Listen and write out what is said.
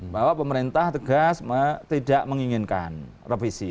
bahwa pemerintah tegas tidak menginginkan revisi